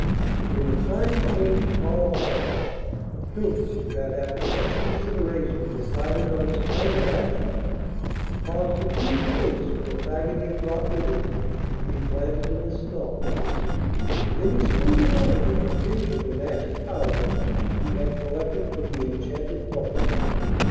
When the time came to call a halt, the Prince, who had after much consideration decided on his plan of action, caused a few twigs from the faggot he had brought with him to be planted in the snow, and then he sprinkled over them a pinch of the magic powder he had collected from the enchanted boat.